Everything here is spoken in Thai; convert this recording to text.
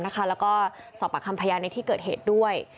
แล้วก็สอบปากคำพยานในที่เกิดเหตุด้วย